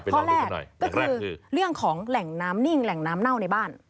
ข้อแรกก็คือเรื่องของแหล่งน้ำนิ่งแหล่งน้ำเน่าในบ้าน